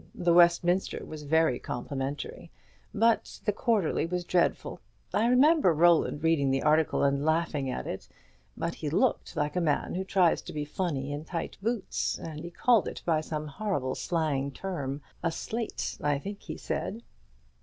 The 'Westminster' was very complimentary, but the 'Quarterly' was dreadful. I remember Roland reading the article and laughing at it; but he looked like a man who tries to be funny in tight boots, and he called it by some horrible slang term 'a slate,' I think he said."